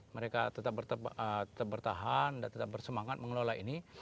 mereka tetap bertahan dan tetap bersemangat mengelola ini